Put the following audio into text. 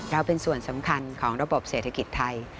เราเป็นส่วนสำคัญของระบบเศรษฐกิจไทย